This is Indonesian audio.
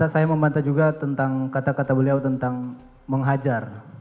saya membantah juga tentang kata kata beliau tentang menghajar